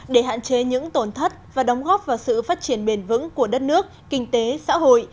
để hạn chế những tổn thất và đóng góp vào sự phát triển bền vững của đất nước kinh tế xã hội